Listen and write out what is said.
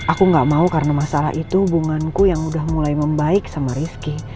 aku gak mau karena masalah itu hubunganku yang udah mulai membaik sama rizky